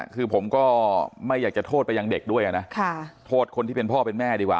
คือผมก็ไม่อยากจะโทษไปยังเด็กด้วยนะโทษคนที่เป็นพ่อเป็นแม่ดีกว่า